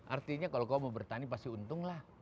artinya kalau kau mau bertani pasti untung lah